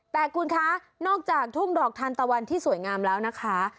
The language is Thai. แต่คุณคะนอกจากทุ่งดอกทานตะวันที่สวยงามแล้วนะคะ